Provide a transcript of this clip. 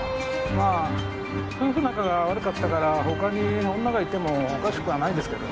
まあ夫婦仲が悪かったから他に女がいてもおかしくはないですけどね。